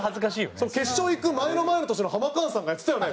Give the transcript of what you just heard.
「それ決勝行く前の前の年のハマカーンさんがやってたよね？」